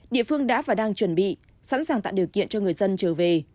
địa phương đã và đang chuẩn bị sẵn sàng tạo điều kiện cho người dân trở về